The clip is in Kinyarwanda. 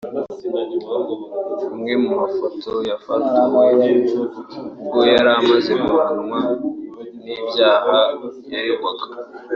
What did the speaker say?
imwe mu mafoto yafotowe ubwo yari amaze guhamwa n’ibyaha yaregwaga